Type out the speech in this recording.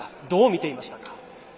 どう見ていましたか？